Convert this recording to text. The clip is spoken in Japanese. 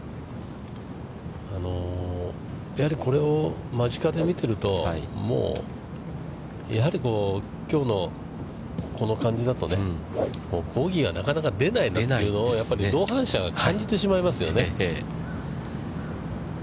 やはり、これを間近で見てると、やはりきょうのこの感じだと、ボギーがなかなか出ないなというのを同伴者が感じてしまいますよね。